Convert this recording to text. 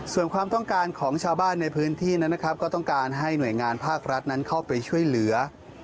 ส่วนความต้องการของชาวบ้านในพื้นที่นั้นนะครับก็ต้องการให้หน่วยงานภาครัฐนั้นเข้าไปช่วยเหลือ